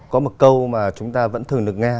có một câu mà chúng ta vẫn thường được nghe